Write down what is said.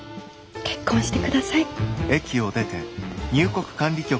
結婚してください。